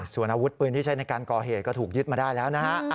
ส่วนอาวุธปืนที่ใช้ในการก่อเหตุก็ถูกยึดมาได้แล้วนะฮะ